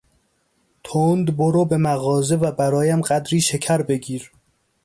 تند برو به مغازه و برایم قدری شکر بگیر.